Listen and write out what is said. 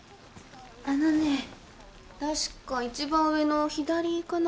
あのね確か一番上の左かな。